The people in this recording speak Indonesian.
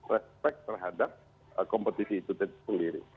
respect terhadap kompetisi itu sendiri